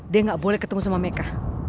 dia gak boleh ketemu sama meka